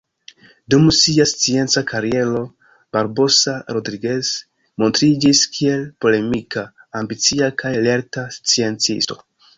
Dum sia scienca kariero, Barbosa Rodriguez montriĝis kiel polemika, ambicia kaj lerta sciencisto.